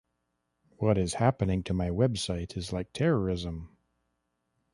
What is happening to my website is like terrorism.